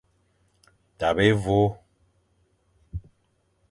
Tabe évÔ.